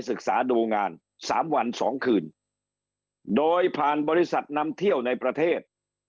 ศึกษาดูงานสามวันสองคืนโดยผ่านบริษัทนำเที่ยวในประเทศ